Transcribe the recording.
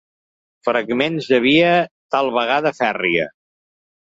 Fragments de via, tal vegada fèrria.